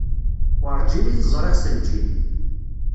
Werǧin i t-ẓriɣ s lǧin.